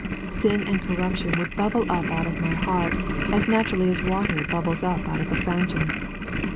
Sin and corruption would bubble up out of my heart as naturally as water bubbles up out of a fountain.